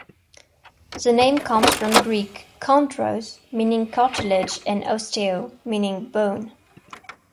The name comes from Greek "chondros" meaning cartilage and "osteo" meaning bone.